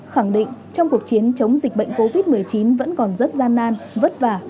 khẳng định trong cuộc chiến chống dịch bệnh covid một mươi chín vẫn còn rất gian nan vất vả